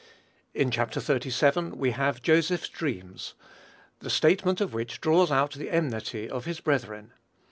In Chapter xxxvii. we have Joseph's dreams, the statement of which draws out the enmity of his brethren.